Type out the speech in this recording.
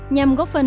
nhằm góp phần